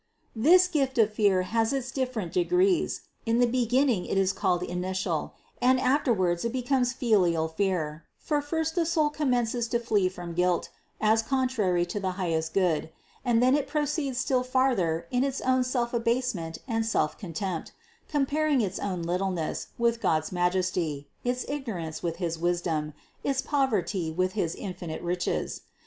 This gift of fear has its different de grees ; in the beginning it is called initial, and afterwards it becomes filial fear ; for first the soul commences to flee from guilt, as contrary to the highest Good ; and then it proceeds still farther in its selfabasement and selfcon tempt, comparing its own littleness with God's majesty, its ignorance with his wisdom, its poverty with his infinite riches.